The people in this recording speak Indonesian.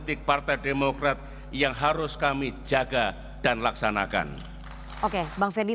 terima kasih pak jokowi